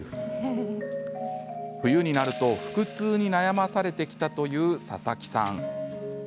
冬になると腹痛に悩まされてきたという佐々木さん。